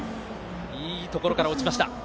いいところから落ちました。